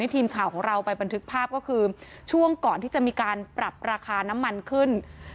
ทีมข่าวของเราไปบันทึกภาพก็คือช่วงก่อนที่จะมีการปรับราคาน้ำมันขึ้น